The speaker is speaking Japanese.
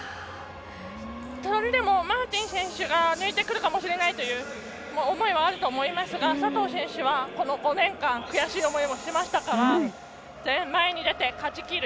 それでもマーティン選手が抜いてくるかもしれないという思いはあると思いますが佐藤選手はこの５年間悔しい思いをしましたから前に出て、勝ちきる。